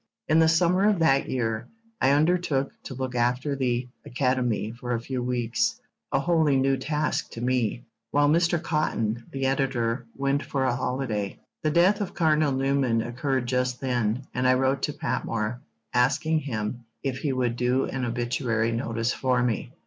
In the summer of that year I undertook to look after the Academy for a few weeks (a wholly new task to me) while Mr. Cotton, the editor, went for a holiday. The death of Cardinal Newman occurred just then, and I wrote to Patmore, asking him if he would do an obituary notice for me.